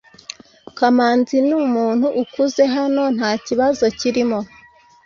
kamanzi numuntu ukuze hano, ntakibazo kirimo